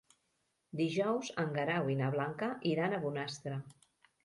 Dijous en Guerau i na Blanca iran a Bonastre.